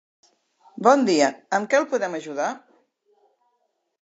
Bon dia, amb què el podem ajudar?